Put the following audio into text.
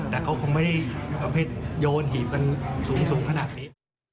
แต่เขาคงไม่ได้โยนหีบกันสูงขนาดนี้